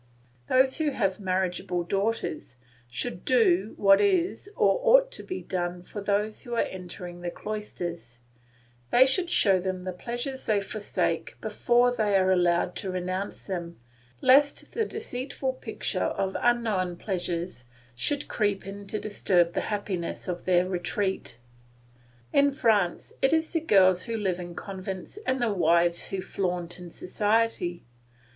Those who have marriageable daughters should do what is or ought to be done for those who are entering the cloisters: they should show them the pleasures they forsake before they are allowed to renounce them, lest the deceitful picture of unknown pleasures should creep in to disturb the happiness of their retreat. In France it is the girls who live in convents and the wives who flaunt in society.